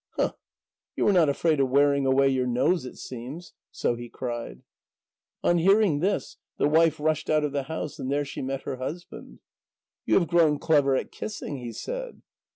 "Huh! You are not afraid of wearing away your nose, it seems." So he cried. On hearing this, the wife rushed out of the house, and there she met her husband. "You have grown clever at kissing," he said.